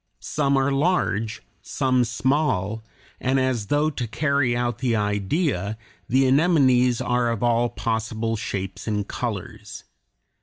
Some are large, some small, and as though to carry out the idea the anemones are of all possible shapes and colors.